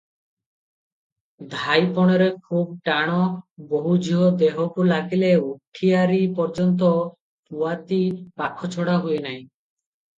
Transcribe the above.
ଧାଇପଣରେ ଖୁବ୍ ଟାଣ-ବୋହୂଝିଅ ଦେହକୁ ଲାଗିଲେ ଉଠିଆରି ପର୍ଯ୍ୟନ୍ତ ପୁଆତି ପାଖଛଡ଼ା ହୁଏନାହିଁ ।